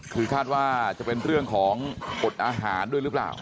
คือคาดว่าจะเป็นเรื่องของอดอาหารด้วยหรือเปล่า